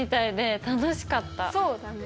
そうだね。